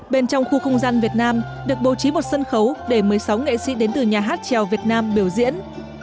bên trong khu không gian việt nam được bố trí một sân khấu để một mươi sáu nghệ sĩ đến từ nhà hát trèo việt nam biểu diễn